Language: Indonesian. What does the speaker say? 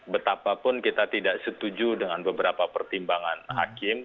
betapa pun kita tidak setuju dengan beberapa pertimbangan hakim